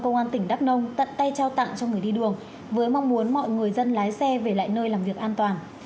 công an tỉnh đắk nông tận tay trao tặng cho người đi đường với mong muốn mọi người dân lái xe về lại nơi làm việc an toàn